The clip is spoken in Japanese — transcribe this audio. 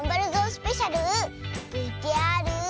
スペシャルＶＴＲ。